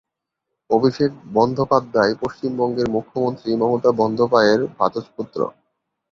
অভিষেক বন্দ্যোপাধ্যায় পশ্চিমবঙ্গের মুখ্যমন্ত্রী মমতা বন্দ্যোপাধ্যায়ের ভ্রাতুষ্পুত্র।